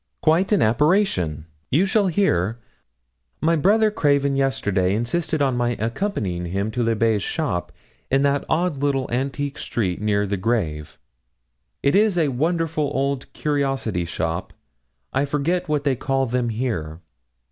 quite an apparition! you shall hear. My brother Craven yesterday insisted on my accompanying him to Le Bas' shop in that odd little antique street near the Grève; it is a wonderful old curiosity shop. I forget what they call them here.